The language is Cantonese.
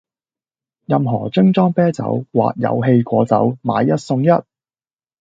任何樽裝啤酒或有氣果酒買一送一